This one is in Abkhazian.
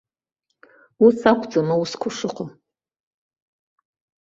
Ус акәӡам аусқәа шыҟоу.